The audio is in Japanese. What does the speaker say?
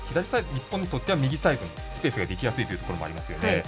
日本にとっては右サイドスペースができやすいというところもありますよね。